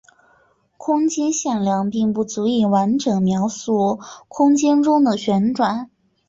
空间向量并不足以完整描述空间中的旋转。